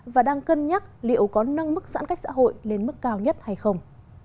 và đang cân nhắc liệu có nâng mức giãn cách xã hội lên mức cao nhất hay không